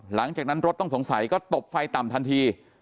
หลังจากนั้นรถต้องสงสัยก็ตบไฟต่ำทันที